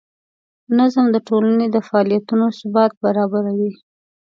نظم د ټولنې د فعالیتونو ثبات برابروي.